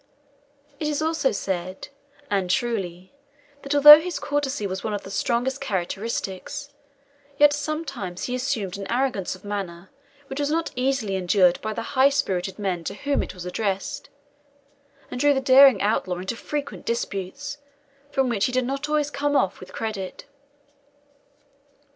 It is also said, and truly, that although his courtesy was one of his strongest characteristics, yet sometimes he assumed an arrogance of manner which was not easily endured by the high spirited men to whom it was addressed, and drew the daring outlaw into frequent disputes, from which he did not always come off with credit.